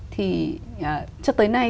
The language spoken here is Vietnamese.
thì cho tới nay